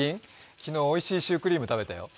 昨日おいしいシュークリーム食べたよ。